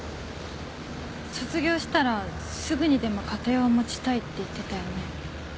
卒業したらすぐにでも家庭を持ちたいって言ってたよね？